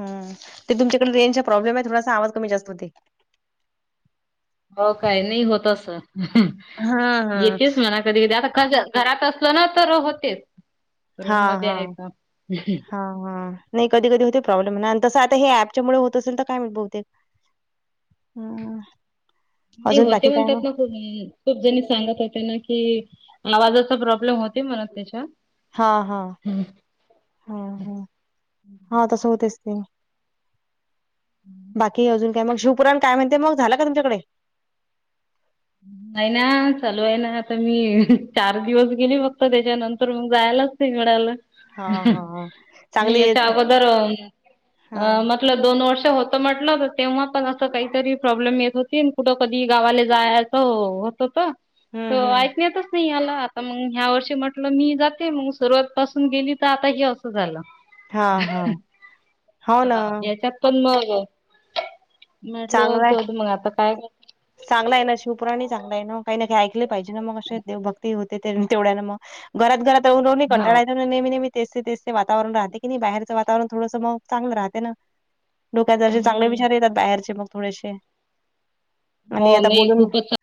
हं, ते तुमच्याकडे रेंजचा प्रॉब्लेम आहे थोडासा, आवाज कमी जास्त होते. हो काय, नाही होत आस, हा हा. येतेच म्हणाऽ कधी-कधी आता घरात असल ना, तर होतेच. हा. रूम मध्ये हा. आहे तर हा. हा. नाही कधी कधी होते प्रॉब्लेम. न तसं आता हे ऍपच्यामुळे होत असेल तर काय माहीत बहुतेक- हां. नाही होते म्हणतात मग. अं. खूप जणी सांगत होत्या ना कि, आवाजाचा प्रॉब्लेम होतेय म्हणा त्याच्या. हा. हा. हा. हा. हा. तसं होतयच की. बाकी अजून काय मग? शिवपुराण काय म्हणते मग? झाल का तुमच्याकडे? नाही ना. चालू ए ना. आता मी चार दिवस गेली फक्त. त्याच्यानंतर जायलाच- [unintelligible] मिळाल. हा हा हा. मी चांगली याच्या येत अगोदर, हा अम - आपलं दोन वर्ष होतं म्हटलं, तर तेव्हा पण असं काहीतरी प्रॉब्लेम येत होती. कुठं कधी गावाले जाय- होत होतं. त हम्म हम्म ऐकण्यातच नाही आलं. त मंग ह्या वर्षी म्हटलं मी जाते. मग सुरुवातपसून गेली तर आता हे असं झालं. हा हा हो ना हा. याच्यात- पण मग, म्हटलं जाऊ दे मग आता काय कर- चांगलय ना. शिवपुराण ही चांगलय ना. म काही ना काही ऐकले पाहिजे ना? म असे देवभक्ती होते तेवढ्यान म. घरात घरात राहून राहून बी हा कंटाळा- नेहमी नेहमी तेच ते तेच ते वातवरण राहते की नाही? बाहेरचं वातावरण थोडंसं मग चांगल राहते ना. डोक्यात जरासे चांगले हम्म. विचार येतात बाहेरचे मग थोडेसे. हो आणि आता नाही बोलून, खूपच छान,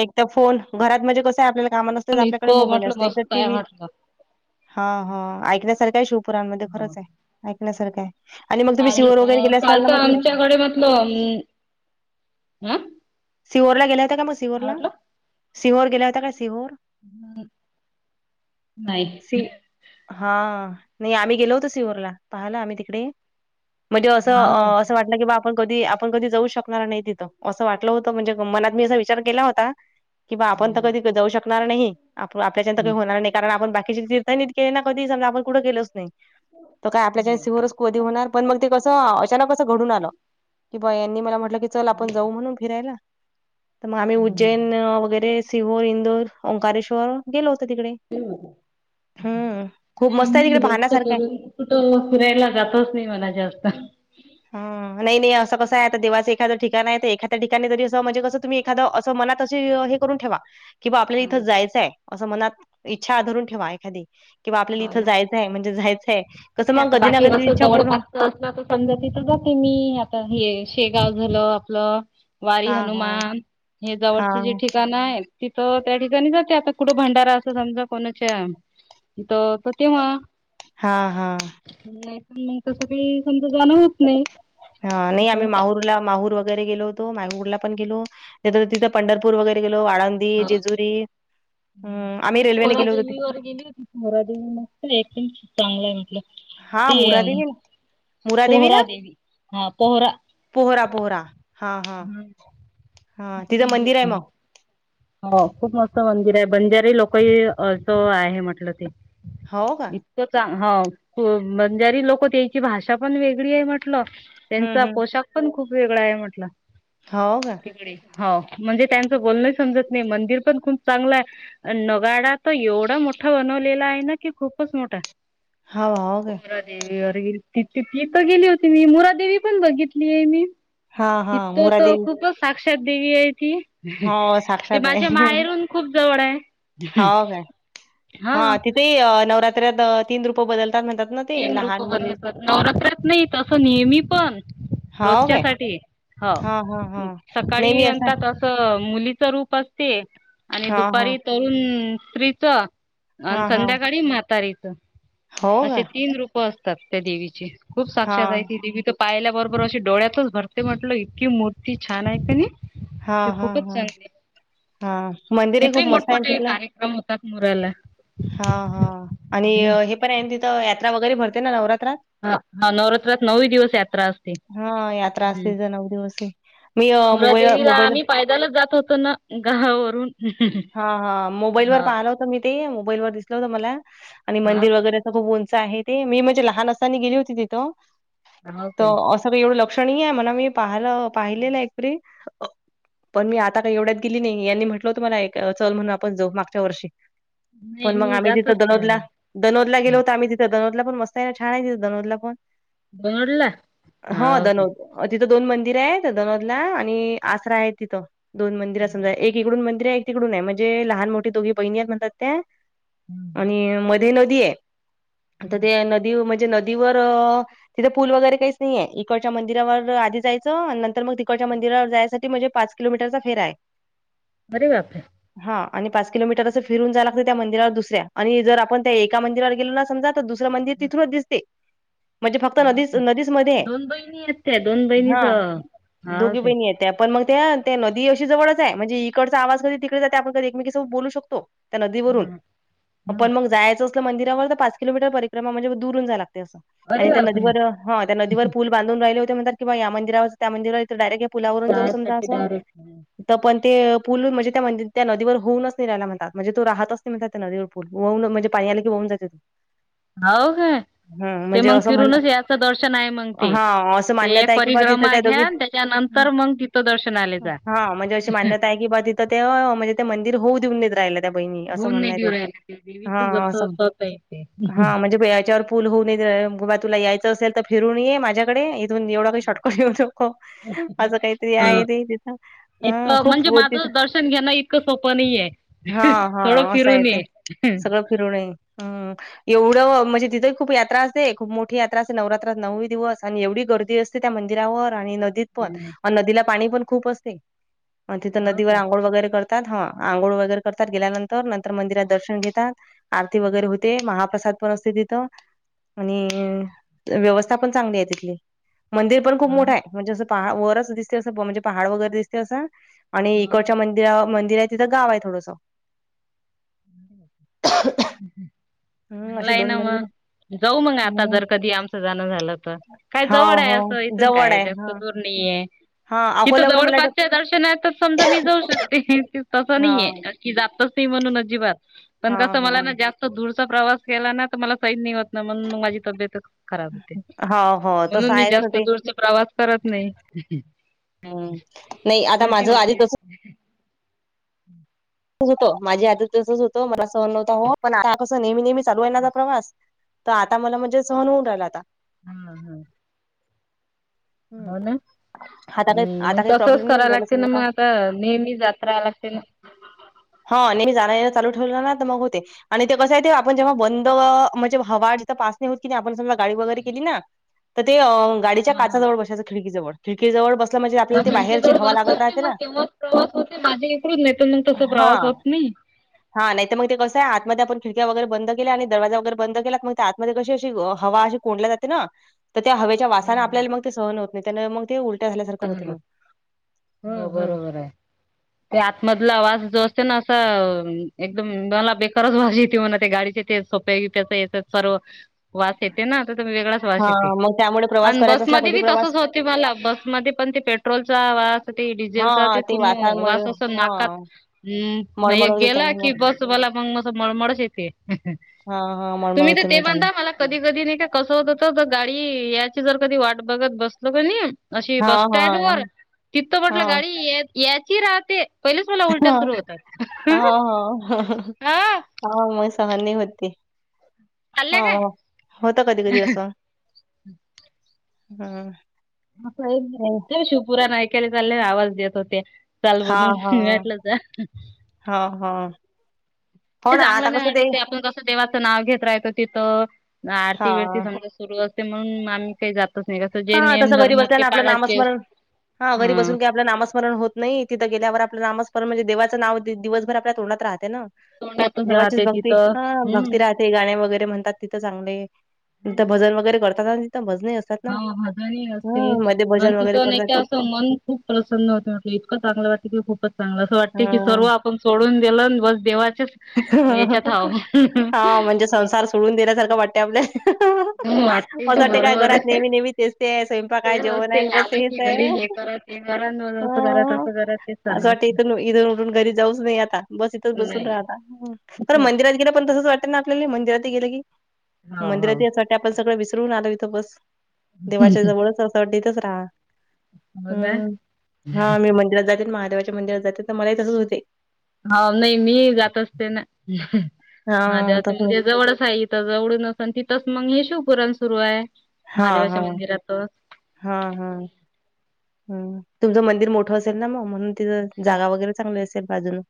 एक तर फोन, घरात म्हणजे कसं आहे आपल्याला कामा न- आपल्याकडे इतकं मोबाईल म्हटलं असते. एकतर मस्त टी आहे व्ही. म्हटलं हां. हां. ऐकण्यासारखं आहे शिवपुराणमध्ये. हो. खरंच आहे. ऐकण्यासारखय. आणि मग तुम्ही सिहोर वगैरे गेले असणार ना मग तिकडे? म म आ? सिहोरला गेल्या होता का मग सिहोरला? सिहोर गेल्या होता का सिहोर? ह. नाही. हां. नाही आम्ही गेलो होतो सिहोरला. पाहाला आम्ही तिकडे. म ते अस- हाव अस वाटलं की बा आपण कधी आपण कधी जाऊ शकणार नाही तिथंअसं वाटलं. वाटलं होत म्हणजे मनात मी असा विचार केला होता- कि बा आपण तर कधी काय जाऊ शकणार नाही. आप आपल्याच्यान तर काही होणार नाही. कारण आपण बाकीचे [unintelligible] कधी. समजा आपण कुठे गेलोच नाही. तर काय आपल्याच्यान नाही सिहोरच कधी होणार? पण मग ते कस- अचानक असं घडून आलं. कि बा यांनी मला म्हटलं की चल आपण जाऊ म्हणून फिरायला. त मआम्ही हम्म. उज्जैन वगैरे सिहोर, इंदोर, ओंकारेश्वर गेलो होतो तिकडे. हं. हम्म खूप ते मस्त आहे तिकडे नाही जास्त पाहण्यासारखं आहे करून - कुठं फिरायला जातंच नाही बघा जास्त. हां. नाही नाही असं कसं आहे, आता देवाच एखादं ठिकाण आहे तर एखाद्या ठिकाणी तरी अस म्हणजे कसं तुम्ही- एखादं असं मनात अशी हे करून ठेवा. कि बा आपल्याला हं इथं जायचंय. असं मनात इच्छा धरून ठेवा एखादी. कि बा आपल्याला हो इथं ना. जायचंय. म्हणजे जायचंय. कसं मग कधी ना कधी इच्छा पूर्ण- हां. त समजा तिथं जाते मी. आता हे शेगाव झालं आपलं- वारी हां, हां. हनुमान. हे हां, जवळचे जे ठिकाण आहेत. तिथं त्या ठिकाणी जाते. आता कुठं भंडारा असतो समजा कोणाच्या- त त तेव्हा. हां. हां. नाहीतर मग तसं काही समजा जाणं होत नाही. हा, नाही आम्ही कुठं. माहूरला माहूर वगैरे गेलो होतो, माहूरला पण गेलो तिथ, तिथ पंढरपूर वगैरे गेलो, आळंदी, जेजुरी. अं, आम्ही मी रेल्वेने पोहरा गेलो होतो. देेवीवर गेली होती, पोहरा देवी मस्त हाय एकदम चांगलाय म्हटलं. हा ते मोरा अं, देवी पोहरा देवी, हा पोहरा पोहरा, पोहरा हा, हा, गेली हा, तिथं मंदिर आहे होती मी. मग. हो खूप मस्त मंदिर आहे, बंजारी लोकही अस आहे म्हटलं ते. हाव का? ते च हाव, बंजारी लोकं त्याची भाषा पण वेगळी आहे म्हटलं. हं, त्यांचा हं. पोशाख पण खूप वेगळा आहे म्हटलं. हाव का? हो, म्हणजे त्यांचं बोलण समजत नाही, मंदिर पण खूप चांगलं आहे. नगाडा तर एवढा मोठा बनवलेला आहे ना की, खूपच मोठा. हाव, हाव काय? देवीवर गेली तिथंली गेली होती मी, मुरादेवी पण बघितली आहे मी. हां, हां. तिथं तो मुरादेवी खूपच साक्षात देवी आहे ती. हो, ते साक्षात आहे. माझ्या माहेरून खूप जवर हाय. हो. तिथं नवरात्रत तीन रूप बदलतात म्हणतात ना ते तिन रूप लहान मुलीचं. बदलतात. नवरात्रात नाही तसं नेहमी पण हो काय? रोजच्यासाठी. हो हां, हां, हां. नाही सकाळी मी असं म्हणतात त त मुलीच रूप असते आणि हां, हां. दुपारी तरुण स्त्रीच आणि हां, हां. संध्याकाळी म्हातारीच, हो असे का? तीन रूप असतात त्या देवीचे. खूप साक्षात आहे, हां, ती देवी त पाहिल्या बरोबर अशी डोळ्यातच भरते म्हटल, इतकी मूर्ती छान आहे कनी. ते हां, हां, खूपच हां, चांगलय, हां. मंदिरही खूप तिथं मस्त आहे मोठमोठे कार क्रम होतात मुराला. हा, हा आणि हे पण आहे तिथं, यात्रा वगैरे भरते ना नवरात्रात? हा, नवरात्रात नऊ दिवस यात्रा असते. हं, यात्रा हम्म असते तिथे नऊ दिवसही. मी मोबाईल, मोबाईल चालत जात होत ना घावावरून हा, हा, मोबाईल वर पाहिलं होतं मी, ते मोबाईल वर दिसलं होतं मला आणि हा मंदिर वगैरे खुप उंच आहे ते, मी म्हणजे लहान असतानी गेली होती तिथं, हो काय तर अस सगळ एवढं लक्ष नाहीय, म्हणा मी पाहिल पाहिलेलं एकरी. पण मी आता काही एवढ्यात गेली नाहीये, यांनी म्हटलं होतं मला एक चल म्हणून आपण जाऊ मागच्या वर्षी, नाही पण मग मी आम्ही जात तिथं असते दनोदला म्हणा दनोदला गेला होतो, आम्ही तिथे दनोदला पण मस्त आहे, छान आहे ते दनोदला पण. दोनडला हा हो काय दणोद. तिथं दोन मंदिर आहेत, दनोदला आणि आसरा आहे तिथं. दोन मंदिर समजा, एक इकडून मंदिर आहे, एक तिकडून आहे, म्हणजे लहान मोठ्ठी दोघी बहिणी आहेत म्हणतात त्या. आणि मध्ये नदी आहे, आता ते नदी म्हणजे नदीवर तिथे पूल वगैरे काहीच नाहीये, इकडच्या मंदिरावर आधी जायचं नंतर मग तिकडच्या मंदिरावर जायसाठी म्हणजे पाच किलोमीटरचा फेरा आहे. अरे बापरे. हा आणि पाच किलोमीटर असं फिरून जाया लागतंय त्या मंदिरावर दुसऱ्या आणि जर आपण त्या एका मंदिरावर गेलो ना समजा तर दुसरा मंदिर तिथूनच दिसते. म्हणजे फक्त नदीच, नदीच मध्ये आहे, दोन बहिणी आहेत त्या दोन हा बहिणीच हा दोघी काय बहिणी आहेत. ते पण मग त्ये ते नदी अशी जवळच ये, म्हणजे इकडचा आवाज कधी तिकडे जाते, आपण कधी एकमेकी सोबत बोलू शकतो. त्या नदीवरून, हा हा, पण मग जायचं मंदिरावर तर पाच किलोमीटर परिक्रमा म्हणजे दुरून जायला लागतं, असं आणि अरे त्या बापरे नदीवर ह त्या नदीवर पुल बांधून राहिले होते म्हणतात किं बॉ मंदिरावर त्या मंदिरावर डायरेक्ट या पुलावरून जाऊ समजा जायसाठी असं डायरेक्ट त पण ते पूल म्हणजे त्यामधे त्या नदीवर होऊनच नही रायला म्हणता, म्हणजे तो राहतच नही म्हणतात त्या नदीवर पूल वाहून म्हणजे पाणी आलं की वाहुन जात्यात. [inaudible] [unintelligible] होव काय? ते मग म्हण फिरूनच या असं दर्शन आहे मग ते, हा असं ते मान्यता एक आहे की बा तिथं परिक्रमा दोघी घ्यानं त्या त्यानंतर मग तिथं दर्शनाले जा. काय की बा तिथं त्या, म्हणजे ते मंदिर होऊ देऊन नाय राहिलत. त्या बहिणी असं म्हणनं ते, फिरायला देवीच हं जस असं स्वतः येते हा म्हणजे ह्याच्यावर पूल होऊ नये [unintelligible] बा तुला यायचं असेल तर फिरून येे, माझ्याकडे एवढा पण शॉर्टकट घेऊ नको, असं काहीतरी ह आहे ते तिथं, एक हं खूप म्हणजे व माझं तिथं दर्शन घेणं इतकं सोप नई ये, हा हा थोडं असं आहे फिरून ये. ते सगळं फिरून ये हं. एवढं म्हणजे तिथं खूप यात्रा असते, खूप मोठी यात्रा असते, नवरात्रात नऊ-ही दिवस आणि एवढी गर्दी अस तिथे त्या मंदिरावर आणि नदीत पण अन नदीला पाणी पण खूप असते. मं तिथं नदीवर काय आंघोळ वगैरे कर तात हा आंघोळ वगैरे करतात गेल्यानंतर, नंतर मंदिरात दर्शन घेतात. आरती वगैरे होते, महाप्रसाद पण असते तिथं अणि व्यव स्था पण चांगली आहे तिथली, मंदिर पण खूप मोठं हाय, म्हणजे असं पहा वरच दिसते असं, म्हणजे पहाड वगैरे दिसते असं. अणि हो काय इकडच्या मंदिरा, मंदिर आहे तिथं गाव आहे थोडंसं. [unintelligible] हे चांगला अशे आहे दोन ना मंदिर मग जाऊ मग आता हम्म जर कधी आमचं जाणं झालं तर, काय हो जवळ आहे, हो असं इथून जवळ काय आहे जास्त हा दूर नईये. हा तिथं अकोल्यावर मला वाटतं जवळपासच्या दर्शनात तर समजा मी जाऊ शकते, तसं हा नाहीये. की जातच नही म्हणून अजिबात पण हा कसं मला ना जास्त दूरचा प्रवास केला ना, तर मला सहीन नय होत. नमंग मग माझी तब्येतच खराब होते. हा हो हो तसं म्हणून मी आहेच ना जास्त ते दूरचा प्रवास करत नई. नई आता माझं आधी पासू [inaudible] नचं होतं, माझं आधी तसच होतं मला सहन नव्हतं हं पण आता कसं नेहमी-नेहमी चालू हाय माझा प्रवास तं आता मला म्हणजे सहन होऊ राहिला आता. हं-हं-हं. हम्म होव ना, आता काही नई मग आता काही तसच प्रॉब्लेम नाही करावं होऊन राहिला लागते ना समजा मग आता नेहमी जात कराल लागते ना. हा, नेहमी जाणं-येणं चालू ठेवलं ना, तर मग होते. अणि ते कसंय ते आपण जेव्हा बंद म्हणजे हवा जिथं पास नाही होत की नई, आपण समजा गाडी वगैरे केली ना, तर ते अं गाडीच्या हा काचा हा जवळ बसायचं खिडकी जवळ. खिडकी जवळ बसलं म्हणजे आपल्या मग ती बाहेरची खिडकीजवळ हवा बस लागत असते राहते मग ना. तेव्हाच प्रवास होते माझ्या [unintelligible] नही तर मग तस हा प्रवास होत नही. हा नाही तर मग ते कसंय आतमध्ये आपण खिडक्या वगैरे बंद केल्या आणि दरवाजा वगैरे बंद केलात, मग त्या आतमध्ये कशी अशी हवा अशी कोंडले जाते ना तर त्या हवेच्या वासाने आपल्याला मंग सहन होत नाय त्याने मग ते उल उलट्या झाले सारखं होते मग हम्म हो हम्म. बरोबर आहे ते आतमधला आवाज जो असते ना असा एकदम मला बेक तरच भाजी ते म्हणे ते गाडीचे ते सोप्पे [unintelligible] तर सर्व वाश येते ना तर वेगळाच वाश हा येते मग त्यामुळे प्रवास आणि करायचा असला बसमध्येध कधी बी प्रवास तसच होते मला बस मध्ये पण ते पेट्रोलचा वास ते हा डिझेलचा ते पूर्ण वासामुळे वास असं हा नाकात हम्म म मळमळ एक होते गेला त्याने मग कि बसवाला मग असं मळमळच येते. हां, हां. मळमळ तुम्ही तर होते मग ते त्याने. बनता मला कधी कधी नाही का कसं होत होतं तर गाडी याची जर कधी वाट बघत बसलो का नी अशी हां, बस स्टँड वर हां. तिथं म्हटलं हां, गाडी या याची राहते. पहिलेच मला उलट्या सुरू होतात. हाव हा मग सहन नी होती. चालल्या हाव काय होतं कधी-कधी असं. हां. असं [unintelligible] ते शिवपुरा नायिकेला चालले आवाज देत होत्या. चाल बदून मी म्हटलं जा. हाव हां. हो नाही ना, आता चांगलं नाही कसं वाटत ते आपण कसं देवाचं नाव घेत राहायचं तिथं आरती विरती हां. समज सुरू असते म्हणून आम ते जातच नाही गं. हा तसं घरी बसल्याने आपलं नामस्मरण हा घरी हं बसून काय आपलं नामस्मरण होत नाही तिथं गेल्यावर आपलं नामस्परण म्हणजे देवाचं नाव दि दिवसभर आपल्या तोंडात राहते ना. तोंडातच देवाचीच राहते भक्ती तिथं हा हम्म भक्ती राह ते गाणे वगैरे म्हणतात तिथं चांगले त्या भजन वगैरे करतात आन तिथं भजनही असतात ना. घरी असते हं, मध्ये आणि भजन वगैरे तिथं नाही करतात का ते. असं मन खूप प्रसन्न होते म्हटले इतकं चांगलं वाटते की खूपच चांगलं असं वाटतं की हां. सर्व आ पण सोडून दिलं आणि बस देवाचे हा म्हणजे संसार सोडून देण्यासारखं वाटते आपल्या. हो असं वाटते काय बरोबर घरात आहे. नेहमी-नेहमी तेच ते स्वयंपाक आहे, ते जेवण आहे ते आणि बस आलं हेच की घरी आहे. हे करा ते करा न असं करा हा तसं करा तेच असं चालू वाटतं असते. इथून इथून उठून घरी जाऊच नाही आता बस इथच बसून नाही. राहता. पर मंदिरात गेलं पण तसच वाटतं ना आपल्याला मंदिरातही गेलं की हो हो. मंदिरातही असं वाट टते आपण सगळं विसरून आलो इथं बस देवाच्या जवळच असं वाटते इथच राहा. हो ना हम्म हा मी मंदिरात जाते ना महादेवाच्या मंदिरात जाते तर मलाही तसंच होते. हाव नाही मी जात असते ना हा महादेवाचं तसं म्हणजे जवळच आहे इ थ जवळून नसन तिथच मंग हे शिव पुराण सुरू आहे. हा हा. महादेवाच्या मंदिरातच हा हा हम्म तुमचं मंदिर मोठं असेल ना मग म्हणून तिथं जागा वगैरे चांगली असेल बाजूना.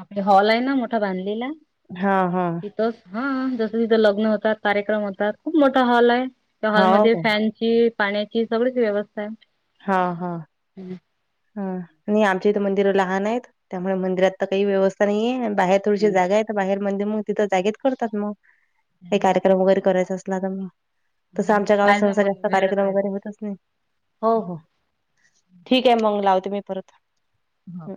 आपले हॉल आहे ना मोठा बांधलेला हां, हां. ति तच हा जसं तिथं लग्न होतात, कार्यक्रम होतात खूप मोठा हॉल आहे त्या हो हॉलमध्ये का? फॅन ची, पाण्याची सगळीच व्यवस्था आहे. हा हा. हम्म. हा नाही आमच्या इथे मंदिर लहान आहेत त्यामुळे मंदिरात काही व्यवस्था नाही आहेे बाहेर थोडीशी जागा आहेत बाहेर म्हणजे मग तिथं जागेत करतात मग काही कार्यक्रम वगैरे करायचा असला तर म. तसं आमच्या गावात पाहिजे सहसा मग जास्त वेळ कार्यक्रम वगैरे पाहिजे. होतच नाय हो हो. द्या मग मी लावते मी परत. हा. हं.